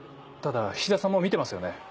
ただ菱田さんも見てますよね？